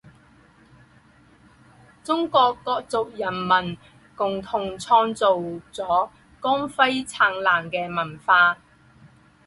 中国各族人民共同创造了光辉灿烂的文化